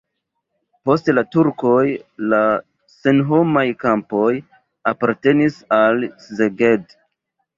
Post la turkoj la senhomaj kampoj apartenis al Szeged.